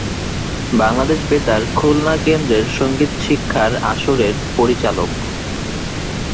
বাংলাদেশ বেতার খুলনা কেন্দ্রের সঙ্গীত শিক্ষার আসরের পরিচালক।